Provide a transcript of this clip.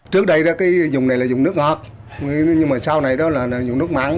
trước đây cái dùng này là dùng nước ngọt nhưng mà sau này đó là dùng nước mặn